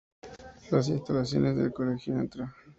Las instalaciones del Colegio Ntra.